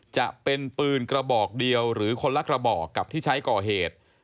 จะเป็นปืนกระบอกเดียวหรือคนละกระบอกกับที่ใช้ก่อเหตุ